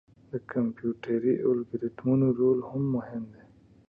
د کمپیوټري الګوریتمونو رول هم مهم دی.